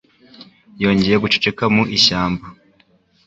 Yongeye guceceka mu ishyamba.